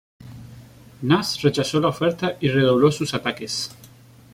Nast rechazó la oferta y redobló sus ataques.